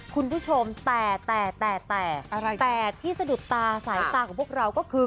คุณผู้ชมแต่แต่แต่ที่สะดุดตาสายตาของพวกเราก็คือ